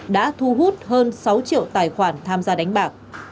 đã thu hút hơn sáu triệu tài khoản tham gia đánh bạc